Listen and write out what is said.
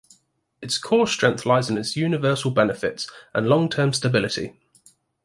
Its core strength lies in its universal benefits and long-term stability.